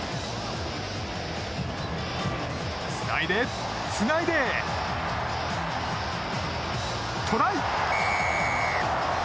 つないで、つないで、トライ！